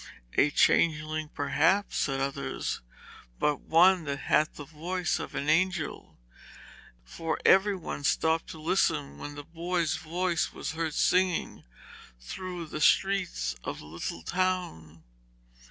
'A changeling perhaps,' said others, 'but one that hath the voice of an angel.' For every one stopped to listen when the boy's voice was heard singing through the streets of the little town.